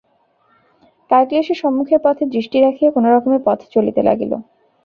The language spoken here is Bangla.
কায়ক্লেশে সম্মুখের পথে দৃষ্টি রাখিয়া কোনোরকমে পথ চলিতে লাগিল।